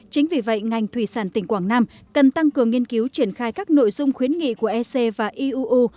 chính vì vậy ngành thủy sản tỉnh quảng nam cần tăng cường nghiên cứu triển khai các nội dung khuyến nghị của ec và iuu